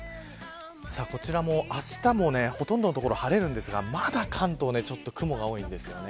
こちらも、あしたもほとんどの所晴れるんですがまだ関東ちょっと雲が多いんですよね。